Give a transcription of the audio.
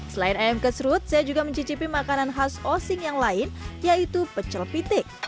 selain ayam kesrut saya juga mencicipi makanan khas osing yang lain yaitu pecel pitik